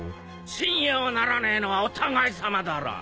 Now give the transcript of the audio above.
信用ならねえのはお互いさまだろ。